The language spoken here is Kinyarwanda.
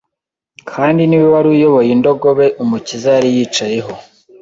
kandi ni we wari uyoboye indogobe Umukiza yari yicayeho.